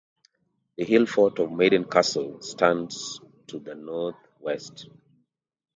The hill fort of Maiden Castle stands to the northwest.